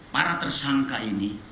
para tersangka ini